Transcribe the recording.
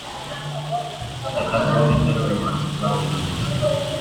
Cet album est quasiment introuvable de nos jours.